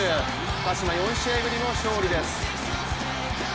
鹿島、４試合ぶりの勝利です。